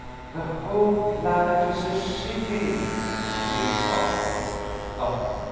"The whole planet is a city!" breathed Parker. ———— Thump!